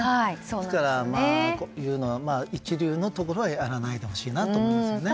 ですから、こういうのは一流のところはやらないでほしいなと思いますね。